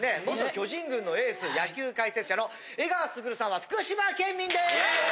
元巨人軍のエース野球解説者の江川卓さんは福島県民です！